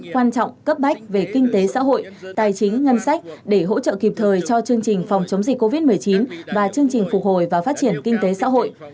quan trọng cấp bách về kinh tế xã hội tài chính ngân sách để hỗ trợ kịp thời cho chương trình phòng chống dịch covid một mươi chín và chương trình phục hồi và phát triển kinh tế xã hội